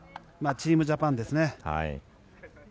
チームジャパンですね。